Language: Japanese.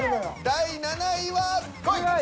第７位は。